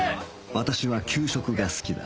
私は給食が好きだ